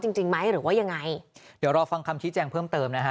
จริงจริงไหมหรือว่ายังไงเดี๋ยวรอฟังคำชี้แจงเพิ่มเติมนะฮะ